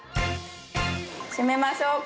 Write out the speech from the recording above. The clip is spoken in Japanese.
閉めましょうか。